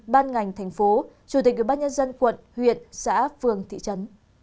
ban ngành thành phố chủ tịch ủy ban nhân dân quận huyện xã phường thị trấn